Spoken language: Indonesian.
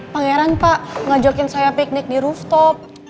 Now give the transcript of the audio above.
pangeran pak ngajakin saya piknik di rooftop